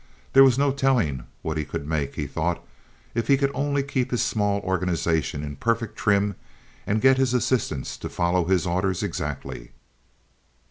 There was no telling what he could make, he thought, if he could only keep his small organization in perfect trim and get his assistants to follow his orders exactly.